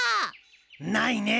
ないねえ。